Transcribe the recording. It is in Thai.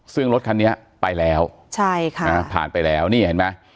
ซึ่งรถคันนี้ไปแล้วใช่ค่ะผ่านไปแล้วนี่เห็นไหม